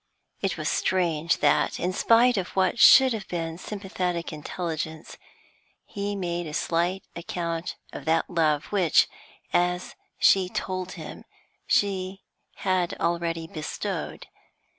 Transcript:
It was strange that, in spite of what should have been sympathetic intelligence, he made a slight account of that love which, as she told him, she had already bestowed.